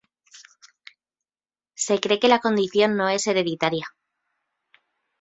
Se cree que la condición no es hereditaria.